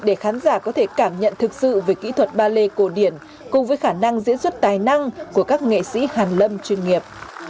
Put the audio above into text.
để khán giả có thể cảm nhận thực sự về kỹ thuật ballet cổ điển cùng với khả năng diễn xuất tài năng của các nghệ sĩ hàn lâm chuyên nghiệp